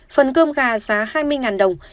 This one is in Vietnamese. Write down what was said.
phần cơm gà giá hai mươi đồng